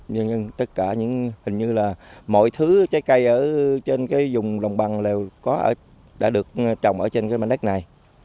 nhưng tất cả những hình như là mọi thứ trái cây ở trên cái dùng đồng bằng đều đã được trồng ở trên cái mảnh đất này